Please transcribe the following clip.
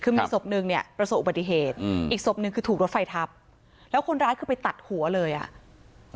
คือมีศพหนึ่งเนี่ยประสบอุบัติเหตุอืมอีกศพหนึ่งคือถูกรถไฟทับแล้วคนร้ายคือไปตัดหัวเลยอ่ะ